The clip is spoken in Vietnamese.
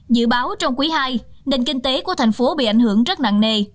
dự báo trong quý ii nền kinh tế của thành phố bị ảnh hưởng rất nặng nề